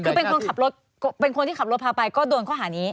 คือเป็นคนขับรถเป็นคนที่ขับรถพาไปก็โดนข้อหานี้